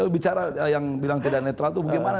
bicara yang bilang tidak netral itu bagaimana